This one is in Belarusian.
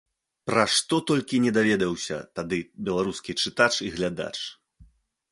Пра што толькі не даведаўся тады беларускі чытач і глядач!